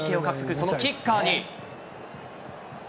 そのキッカーに。